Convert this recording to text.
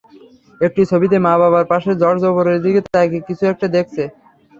একটি ছবিতে মা-বাবার পাশে জর্জ ওপরের দিকে তাকিয়ে কিছু একটা দেখছে।